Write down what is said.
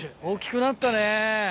大っきくなったね。